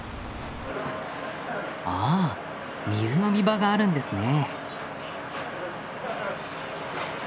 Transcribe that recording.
ああ水飲み場があるんですね。